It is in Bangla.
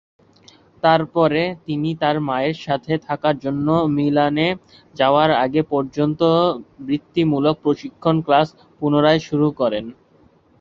তারপরে তিনি তার মায়ের সাথে থাকার জন্য মিলানে যাওয়ার আগে পর্যন্ত বৃত্তিমূলক প্রশিক্ষণ ক্লাস পুনরায় শুরু করেন।